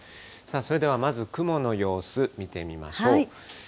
それではまず、雲の様子見てみましょう。